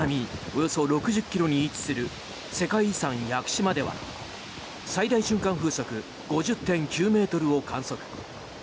およそ６０ｋｍに位置する世界遺産・屋久島では最大瞬間風速５０．９ｍを観測。